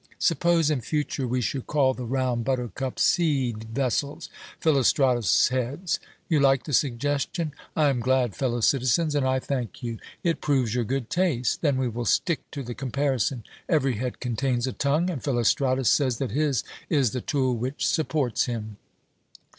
Suppose in future we should call the round buttercup seed vessels 'Philostratus heads'? You like the suggestion? I am glad, fellow citizens, and I thank you. It proves your good taste. Then we will stick to the comparison. Every head contains a tongue, and Philostratus says that his is the tool which supports him."